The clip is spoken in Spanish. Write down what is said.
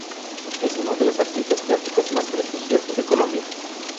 Es uno de los artistas plásticos más prestigiosos de Colombia.